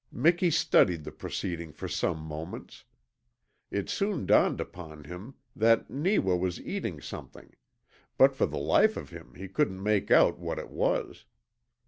Miki studied the proceeding for some moments. It soon dawned upon him that Neewa was eating something, but for the life of him he couldn't make out what it was.